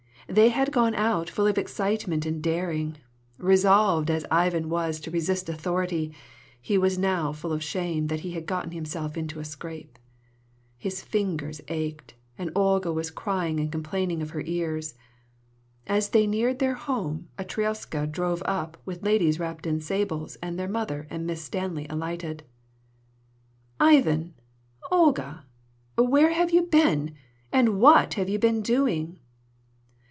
They had gone out full of excitement and daring; resolved as Ivan was to resist authority, he now was full of shame that he had gotten himself into a scrape. His fingers ached, and Olga was crying and complaining of her ears. As they neared their home a troiska drove up with ladies wrapped in sables, and their mother and Miss Stanley alighted. "Ivan! Olga! where have you been? what have you been doing?"